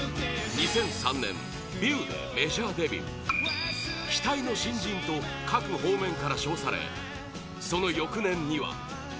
２００３年「ｖｉｅｗ」でメジャーデビュー期待の新人と各方面から称されその翌年には